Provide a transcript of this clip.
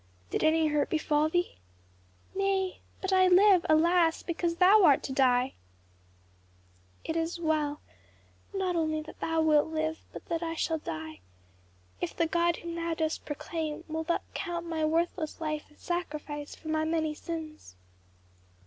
Did any hurt befall thee?" "Nay but I live, alas, because thou art to die." "It is well, not only that thou wilt live, but that I shall die, if the God whom thou dost proclaim will but count my worthless life a sacrifice for my many sins."